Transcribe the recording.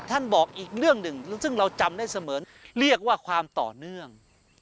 บอกอีกเรื่องหนึ่งซึ่งเราจำได้เสมอเรียกว่าความต่อเนื่อง